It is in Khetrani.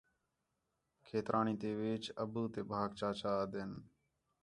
کھیترانی تی وِچ ابو تے بھاک چاچا آہدے ہین